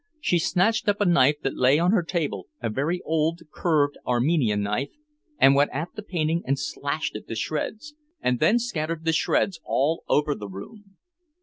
She snatched up a knife that lay on her table, a very old, curved, Armenian knife, and went at the painting and slashed it to shreds, and then scattered the shreds all over the room.